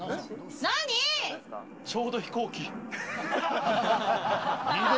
ちょうど飛行機。